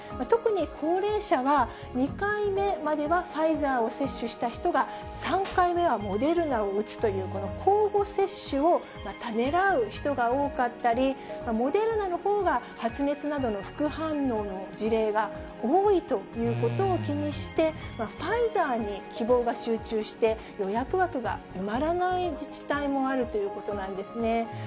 特に高齢者は、２回目まではファイザーを接種した人が３回目はモデルナを打つという交互接種をためらう人が多かったり、モデルナのほうが、発熱などの副反応の事例が多いということを気にして、ファイザーに希望が集中して、予約枠が埋まらない自治体もあるということなんですね。